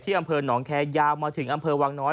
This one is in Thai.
อำเภอหนองแคร์ยาวมาถึงอำเภอวังน้อย